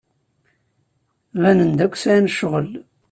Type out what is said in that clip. Banen-d akk sɛan ccɣel.